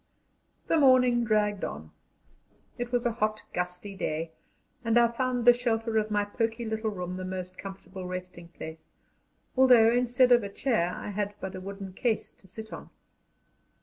The morning dragged on. It was a hot, gusty day, and I found the shelter of my poky little room the most comfortable resting place, although instead of a chair I had but a wooden case to sit on.